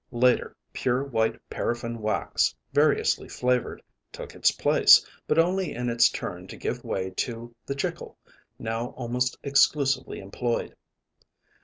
Later, pure white paraffin wax, variously flavored, took its place, but only in its turn to give way to the "chicle" now almost exclusively employed.